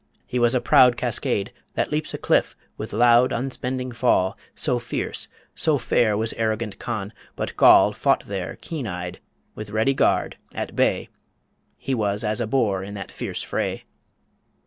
He was a proud Cascade that leaps a cliff with loud Unspending fall So fierce, so fair Was arrogant Conn, but Goll fought there Keen eyed, with ready guard, at bay He was as a boar in that fierce fray.